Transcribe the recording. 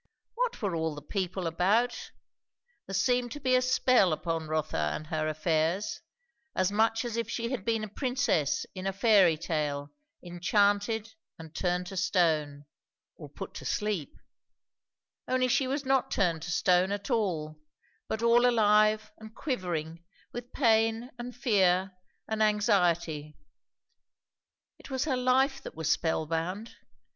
What were all the people about? there seemed to be a spell upon Rotha and her affairs, as much as if she had been a princess in a fairy tale enchanted and turned to stone, or put to sleep; only she was not turned to stone at all, but all alive and quivering with pain and fear and anxiety. It was her life that was spell bound.